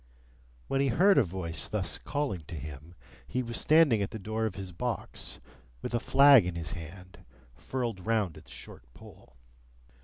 When he heard a voice thus calling to him, he was standing at the door of his box, with a flag in his hand, furled round its short pole.